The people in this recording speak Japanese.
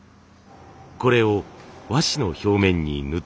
これを和紙の表面に塗っていきます。